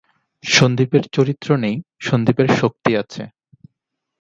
সন্দীপের চরিত্র নেই, সন্দীপের শক্তি আছে।